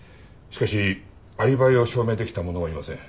しかしアリバイを証明できた者はいません。